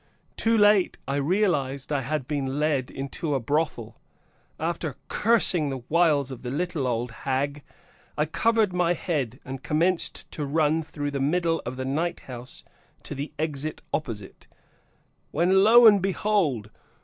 Too late I realized that I had been led into a brothel. After cursing the wiles of the little old hag, I covered my head and commenced to run through the middle of the night house to the exit opposite, when, lo and behold!